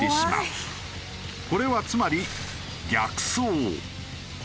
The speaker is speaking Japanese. これはつまり逆走。